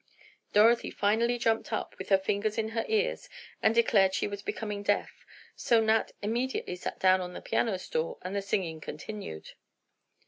Dorothy finally jumped up, with her fingers in her ears, and declared she was becoming deaf, so Nat immediately sat down on the piano stool, and the singing continued.